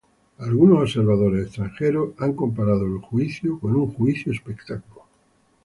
El juicio ha sido comparado por algunos observadores extranjeros con un juicio-espectáculo.